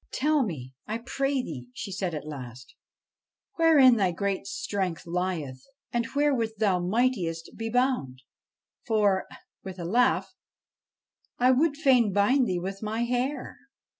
'Tell me, I pray thee,' she said at last, 'wherein thy great strength lieth, and wherewith thou mightest be bound ; for ' with a laugh ' I would fain bind thee with my hair.'